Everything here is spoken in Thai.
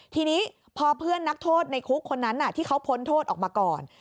ทีนี้พอเพื่อนนักโทษในคุกคนนั้นที่เขาพ้นโทษออกมาก่อน